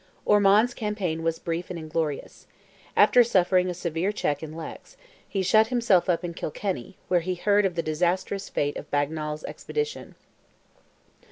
Ormond's campaign was brief and inglorious. After suffering a severe check in Leix, he shut himself up in Kilkenny, where he heard of the disastrous fate of Bagnal's expedition.